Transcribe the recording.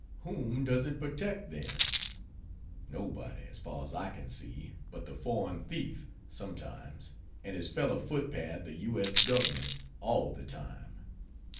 Whom does it protect, then? Nobody, as far as I can see, but the foreign thief sometimes and his fellow footpad the U. S. government, all the time.